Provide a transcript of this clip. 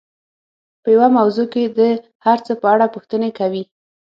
په يوه موضوع کې د هر څه په اړه پوښتنې کوي.